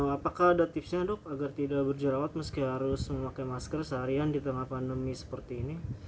apakah ada tipsnya dok agar tidak berjerawat meski harus memakai masker seharian di tengah pandemi seperti ini